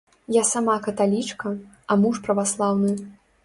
Я сама каталічка, а муж праваслаўны.